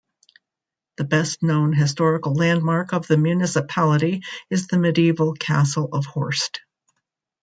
The best known historical landmark of the municipality is the medieval castle of Horst.